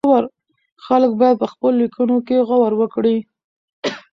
خلک بايد په خپلو ليکنو کې غور وکړي.